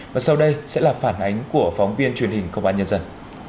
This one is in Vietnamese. và sau đây sẽ là phản ánh của phóng viên truyền hình công an nhân dân